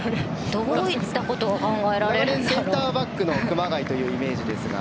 センターバックの熊谷というイメージですが。